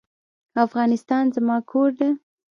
افغانستان زما کور دی.